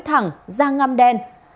thẳng da ngăm đen